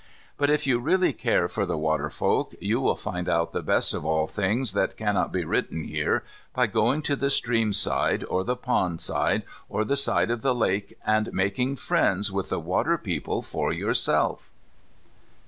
But if you really care for the water folk you will find out the best of all the things that cannot be written here by going to the stream side, or the pond side, or the side of the lake and making friends with the water people for yourself.